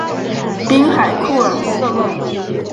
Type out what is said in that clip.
滨海库尔瑟勒。